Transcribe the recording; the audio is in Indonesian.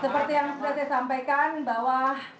seperti yang sudah saya sampaikan bahwa